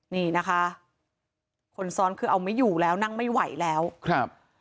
นี่นะคะคนซ้อนคือเอาไม่อยู่แล้วนั่งไม่ไหวแล้วครับ